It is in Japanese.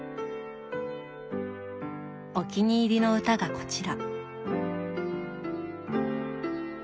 お気に入りの歌がこちら。